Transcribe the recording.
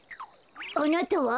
あなたは？